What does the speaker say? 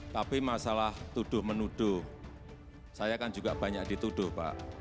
tapi masalah tuduh menuduh saya kan juga banyak dituduh pak